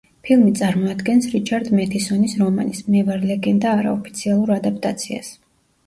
ფილმი წარმოადგენს რიჩარდ მეთისონის რომანის, „მე ვარ ლეგენდა“ არაოფიციალურ ადაპტაციას.